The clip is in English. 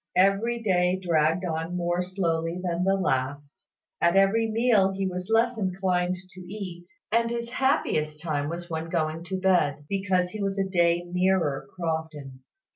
Every day dragged on more slowly than the last; at every meal he was less inclined to eat; and his happiest time was when going to bed, because he was a day nearer Crofton.